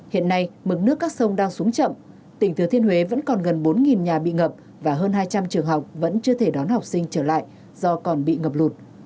hiện nay mực nước các sông đang xuống chậm tỉnh thừa thiên huế vẫn còn gần bốn nhà bị ngập và hơn hai trăm linh trường học vẫn chưa thể đón học sinh trở lại do còn bị ngập lụt